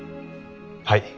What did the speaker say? はい。